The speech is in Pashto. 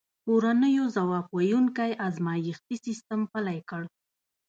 کورنیو ځواب ویونکی ازمایښتي سیستم پلی کړ.